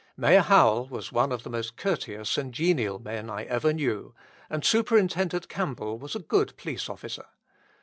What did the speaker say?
Mayor Howell was one of the most courteous and genial men I ever knew, and Superintendent Campbell was a good police officer.